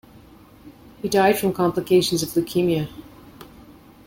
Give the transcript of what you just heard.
He died from complications of leukemia.